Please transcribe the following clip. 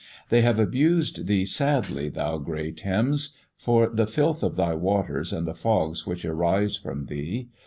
They have abused thee sadly, thou grey Thames, for the filth of thy waters and the fogs which arise from thee.